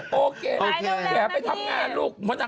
เป็นได้ไปละแก่เป็นไป